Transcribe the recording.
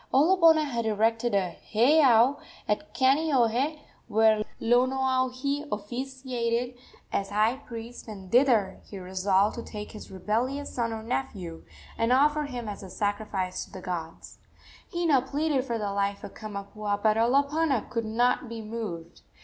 Olopana had erected a heiau at Kaneohe, where Lonoaohi officiated as high priest, and thither he resolved to take his rebellious son or nephew, and offer him as a sacrifice to the gods. Hina pleaded for the life of Kamapuaa, but Olopana could not be moved.